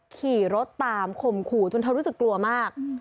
ขี่รถตามข่มขู่จนเธอรู้สึกกลัวมาก